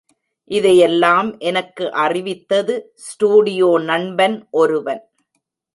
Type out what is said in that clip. இதையெல்லம் எனக்கு அறிவித்தது ஸ்டுடியோ நண்பன் ஒருவன்.